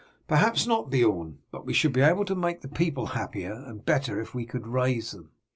"Perhaps not, Beorn, but we should be able to make the people happier and better if we could raise them."